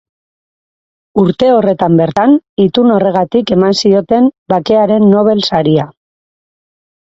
Urte horretan bertan, itun horregatik eman zioten Bakearen Nobel Saria.